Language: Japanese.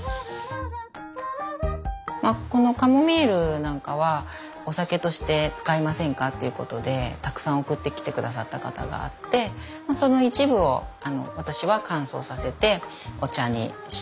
まあこのカモミールなんかはお酒として使いませんかっていうことでたくさん送ってきて下さった方があってその一部を私は乾燥させてお茶にしてみたりとか。